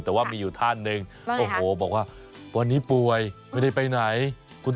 แต่ว่ามีอยู่ท่านหนึ่งโอ้โหบอกว่าวันนี้ป่วยไม่ได้ไปไหน